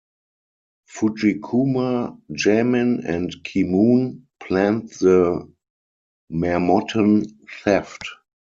Fujikuma, Jamin and Khimoun planned the Marmottan theft.